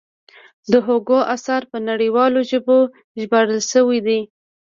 د هوګو اثار په نړیوالو ژبو ژباړل شوي دي.